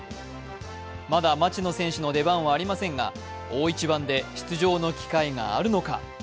まだ町野選手の出番はありませんが大一番で出場の機会があるのか。